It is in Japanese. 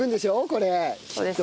これきっと。